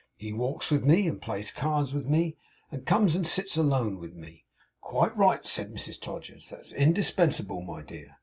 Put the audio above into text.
'He walks with me, and plays cards with me, and he comes and sits alone with me.' 'Quite right,' said Mrs Todgers. 'That's indispensable, my dear.